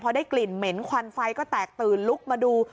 พอได้กลิ่นเหม็นควันไฟก็แตกตื่นลุกมาดู